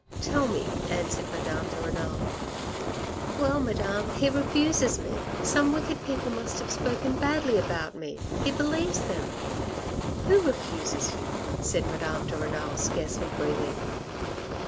" Tell me," answered Madame de Renal. " Well, Madame, he refuses me, some wicked people must have spoken badly about me. He believes them." " Who refuses you ?" said Madame de Renal, scarcely breathing.